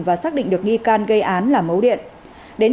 và xác định được nghi can gây án là mấu điện